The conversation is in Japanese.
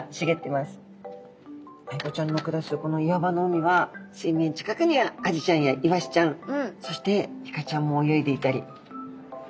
アイゴちゃんの暮らすこの岩場の海は水面近くにはアジちゃんやイワシちゃんそしてイカちゃんも泳いでいたり。